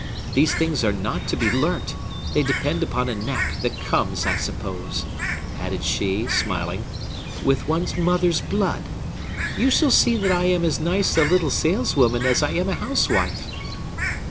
These things are not to be learnt; they depend upon a knack that comes, I suppose," added she, smiling, "with one's mother's blood. You shall see that I am as nice a little saleswoman as I am a housewife!"